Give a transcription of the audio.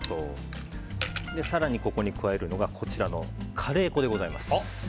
更にここに加えるのがカレー粉でございます。